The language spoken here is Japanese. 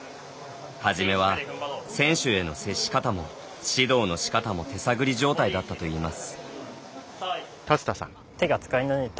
初めは選手への接し方も指導の仕方も手探り状態だったといいます。